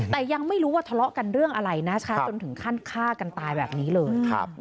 แต่ยังไม่รู้ว่าทะเลาะกันเรื่องอะไรนะคะจนถึงขั้นฆ่ากันตายแบบนี้เลย